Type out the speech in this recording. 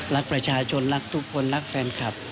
รักประชาชนรักทุกคนรักแฟนคลับ